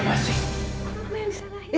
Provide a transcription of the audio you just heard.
maaf pak pak suki